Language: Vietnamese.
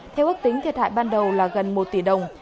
theo ước tính thiệt hại ban đầu là gần một tỷ đồng